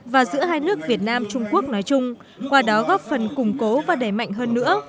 và giữa hai nước việt nam trung quốc nói chung qua đó góp phần củng cố và đẩy mạnh hơn nữa